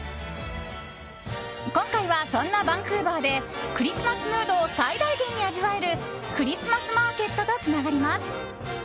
今回は、そんなバンクーバーでクリスマスムードを最大限に味わえるクリスマスマーケットとつながります。